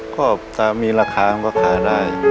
ก็ตามีราคาก็ขายได้